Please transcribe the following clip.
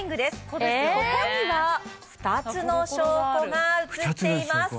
ここには２つの証拠がうつっています